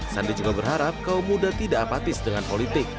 sandi juga berharap kaum muda tidak apatis dengan politik